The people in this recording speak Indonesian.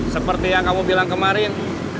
seperti yang kamu bilang kemarin